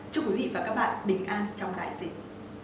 chúc quý vị và các bạn bình an trong đại dịch